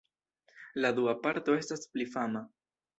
La dua parto estas pli fama.